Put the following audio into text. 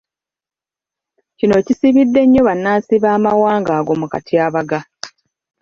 Kino kisibidde nnyo bannansi b’amawanga ago mu katyabaga.